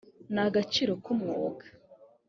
ni agaciro k’umwuga